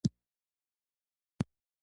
هغه وخت چې زه دې د لومړي ځل دپاره